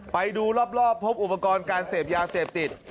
ไปดูรอบพบอุปกรณ์การเสพยาเสพติด